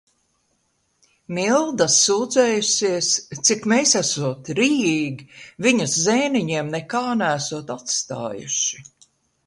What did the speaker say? Milda sūdzējusies, cik mēs esot rijīgi, viņas zēniņiem nekā neesot atstājuši.